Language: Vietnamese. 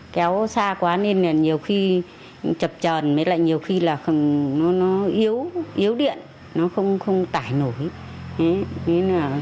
kéo xa quá nên nhiều khi chập tròn nhiều khi nó yếu điện nó không tải nổi